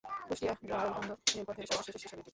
কুষ্টিয়া- গোয়ালন্দ রেলপথের সর্বশেষ স্টেশন এটি।